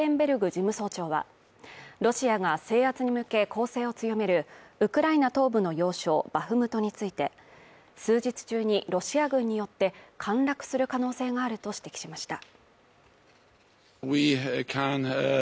事務総長は、ロシアが制圧に向け攻勢を強めるウクライナ東部の要衝バフムトについて数日中にロシア軍によって陥落する可能性があると指摘しました。